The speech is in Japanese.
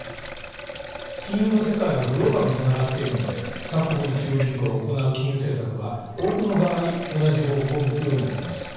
金融の世界はグローバルにつながっているので各国の中央銀行が行う金融政策は多くの場合同じ方向を向くようになります。